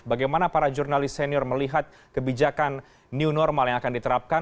bagaimana para jurnalis senior melihat kebijakan new normal yang akan diterapkan